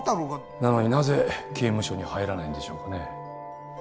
なのになぜ刑務所に入らないんでしょうかね。